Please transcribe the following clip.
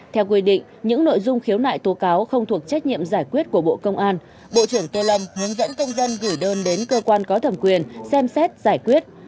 theo quy định những nội dung khiếu nại tố cáo không thuộc trách nhiệm giải quyết của bộ công an bộ trưởng tô lâm hướng dẫn công dân gửi đơn đến cơ quan có thẩm quyền xem xét giải quyết